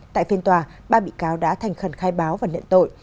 tại phiên tòa ba bị cáo đã thành khẩn khai báo và nhận tội